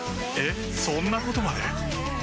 えっそんなことまで？